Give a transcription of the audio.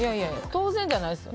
当然じゃないです。